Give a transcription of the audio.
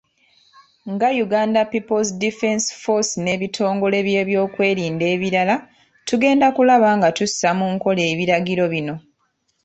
Nga Uganda People's Defence Force n'ebitongole byebyokwerinda ebirala, tugenda kulaba nga tussa mu nkola ebiragiro bino.